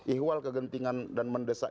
ihwal kegentingan dan mendesak